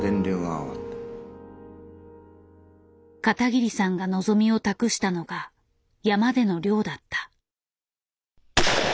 片桐さんが望みを託したのが山での猟だった。